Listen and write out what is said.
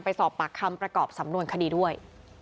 ไปสอบปากคำประกอบสำนวนคดีด้วย